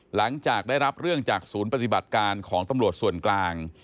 หลังจากได้รับเรื่องจากศูนย์ปฏิบัติการของตำรวจส่วนกลาง